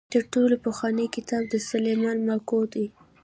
تر ټولو پخوانی کتاب د سلیمان ماکو دی.